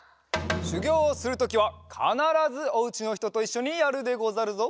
しゅぎょうをするときはかならずおうちのひとといっしょにやるでござるぞ！